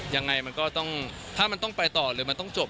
ยังไงมันก็ต้องถ้ามันต้องไปต่อหรือมันต้องจบ